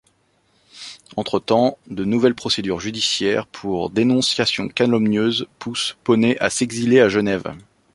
Entre-temps, de nouvelles procédures judiciaires pour dénonciation calomnieuse poussent Ponet à s'exiler à Genève.